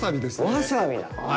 わさびだ。